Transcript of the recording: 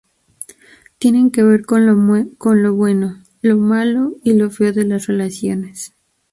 Tienen que ver con lo bueno, lo malo y lo feo de las relaciones.